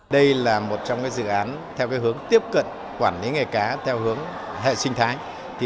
đây là một trong dự án theo hướng tiếp cận quản lý nghề cá theo hướng hệ sinh thái